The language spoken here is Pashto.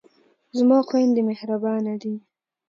زما خویندې مهربانه دي.